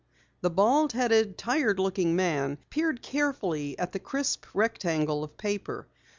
The bald headed, tired looking man peered carefully at the crisp rectangle of paper.